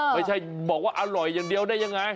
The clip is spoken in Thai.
ไม่ใช่บอกว่าอร่อยอย่างเดียวได้ยังไง